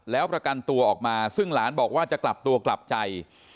แล้วประกันตัวออกมาซึ่งหลานบอกว่าจะกลับตัวกลับใจ